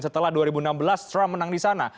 setelah dua ribu enam belas trump menang di sana